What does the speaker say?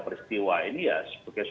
peristiwa ini ya sebagai